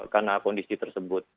karena kondisi tersebut